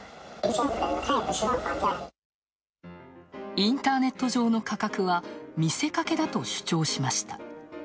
インターネット上の価格は見せかけだと主張しました。